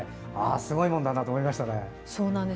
すごいものだと思いましたね。